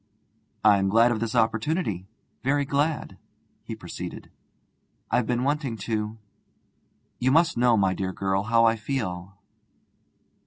'I'm glad of this opportunity very glad,' he proceeded. 'I've been wanting to ... You must know, my dear girl, how I feel....'